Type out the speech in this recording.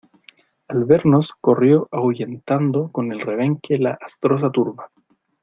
al vernos corrió ahuyentando con el rebenque la astrosa turba